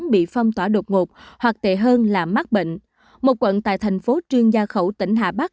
bị phong tỏa đột ngột hoặc tệ hơn là mắc bệnh một quận tại thành phố trương gia khẩu tỉnh hà bắc